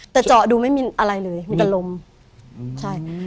แต่เจาะดูไม่มีอะไรเลยมีแต่ลมใช่